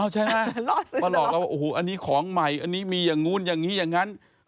เอ้าใช่ไหมววววหนีของไหมไมี่งโง่นอย่างงี้อย่างงั้นอ่ะ